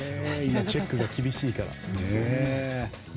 チェックが厳しいから。